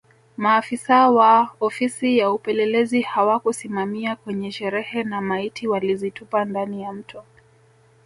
Maafisa wa Ofisi ya Upelelezi hawakusimama kwenye sherehe na maiti walizitupa ndani ya Mto